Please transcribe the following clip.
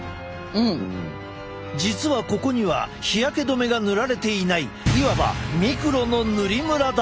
実はここには日焼け止めが塗られていないいわばミクロの塗りムラだ。